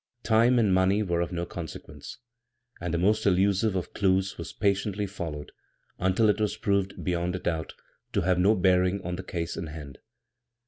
Time and money were of 60 b, Google CROSS CURRENTS no consequence, and the most elusive oi clews was patiently followed until it was proved beyond a doubt to have no bearing on the case in hand.